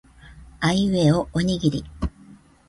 あいうえおおにぎり